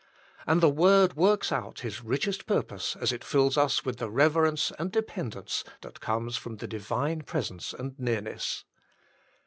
And the word works out His richest purpose as it fills us with the reverence and dependence that comes from the Divine presence and nearness.